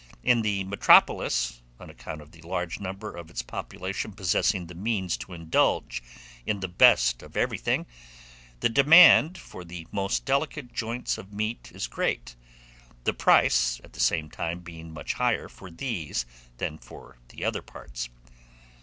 In the metropolis, on account of the large number of its population possessing the means to indulge in the "best of everything," the demand for the most delicate joints of meat is great, the price, at the same time, being much higher for these than for the other parts.